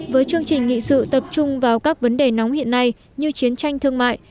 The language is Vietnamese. với chương trình nghị sự tập trung vào các vấn đề nóng hiện nay như chiến tranh thương mại